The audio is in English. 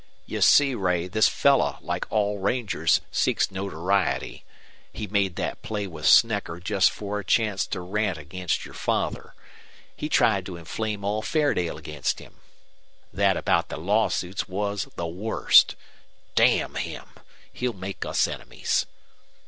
"You see, Ray, this fellow, like all rangers, seeks notoriety. He made that play with Snecker just for a chance to rant against your father. He tried to inflame all Fairdale against him. That about the lawsuits was the worst! Damn him! He'll make us enemies."